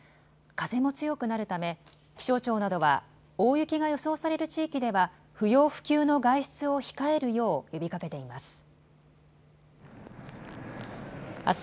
風も強くなるため気象庁などは大雪が予想される地域では不要不急の外出を控えるよう呼びかけています。